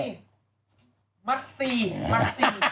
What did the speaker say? ก็ต้องมีมัสซีมัสซี